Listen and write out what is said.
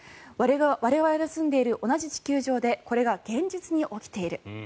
我々が住んでいる同じ地球上でこれが現実に起きている。